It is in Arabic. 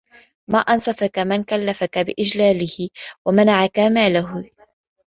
مَا أَنْصَفَك مَنْ كَلَّفَك إجْلَالِهِ وَمَنَعَك مَالِهِ